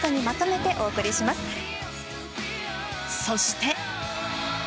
そして。